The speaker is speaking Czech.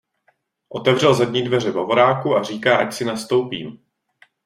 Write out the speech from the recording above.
Otevřel zadní dveře Bavoráku a říká, ať si nastoupím.